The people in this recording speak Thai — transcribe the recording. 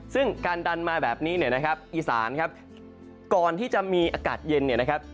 ซึ่งการดันมาแบบนี้อีสานก่อนที่จะมีอากาศเย็น